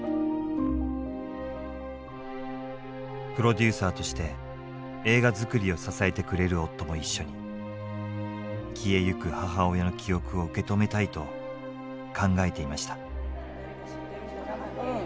プロデューサーとして映画づくりを支えてくれる夫も一緒に消えゆく母親の記憶を受け止めたいと考えていました。